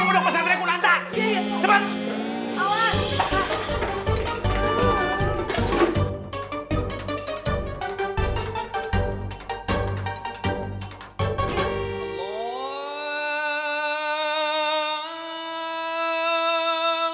udah pesan rekunanta cepat